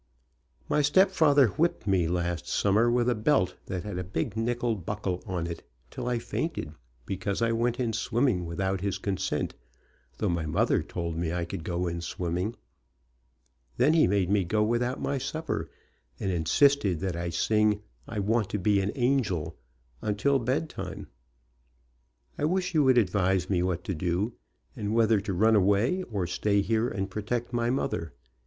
My stepfather whipped me last summer with a belt that had a big nickel buckel on it, till I fainted, because I went in swimming without his consent, though my mother told me I could go in swimming. Then he 50 RED HEADED BOY ANGEL made me go without my supper, and insisted that I sing "I Want to Be An Angel," until bedtime. I wish you would advise me what to do, and whether to run away or stay here and protect my mother.